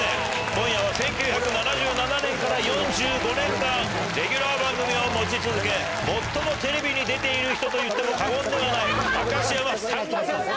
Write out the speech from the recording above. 今夜は１９７７年から４５年間レギュラー番組を持ち続け最もテレビに出ている人といっても過言ではない明石家さんま先生。